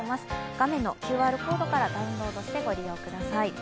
画面のＱＲコードからダウンロードしてご利用ください。